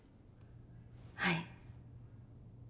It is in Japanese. はい。